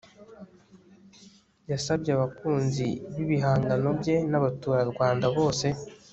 yasabye abakunzi b'ibihangano bye n'abaturarwanda bose